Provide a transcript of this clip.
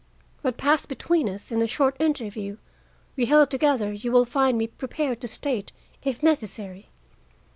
What passed between us in the short interview we held together you will find me prepared to state, if necessary.